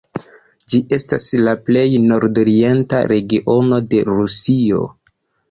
Ĝi estas la plej nordorienta regiono de Rusio.